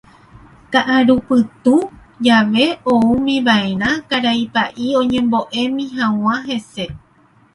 Ka'arupytũ jave oúmiva'erã karai pa'i oñembo'emi hag̃ua hese.